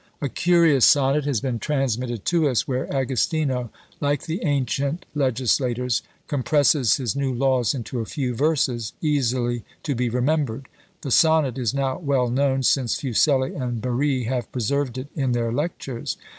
A curious sonnet has been transmitted to us, where Agostino, like the ancient legislators, compresses his new laws into a few verses, easily to be remembered. The sonnet is now well known, since Fuseli and Barry have preserved it in their lectures.